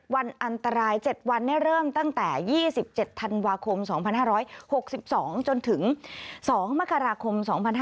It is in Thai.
วันอันตราย๗วันเริ่มตั้งแต่๒๗ธันวาคม๒๕๖๒จนถึง๒มกราคม๒๕๕๙